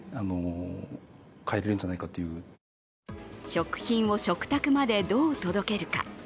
食品を食卓までどう届けるか。